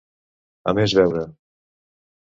A més veure.